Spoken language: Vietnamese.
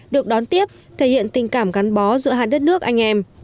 được đón tiếp thể hiện tình cảm gắn bó giữa hai đất nước anh em